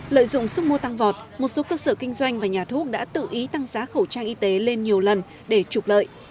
lợi dụng sức mua tăng vọt một số cơ sở kinh doanh và nhà thuốc đã tự ý tăng giá khẩu trang y tế lên nhiều lần để trục lợi